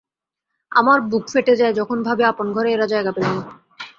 আমার বুক ফেটে যায় যখন ভাবি আপন ঘরে এরা জায়গা পেল না।